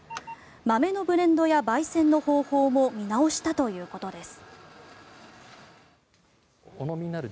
豆のブレンドや焙煎の方法も見直したということです。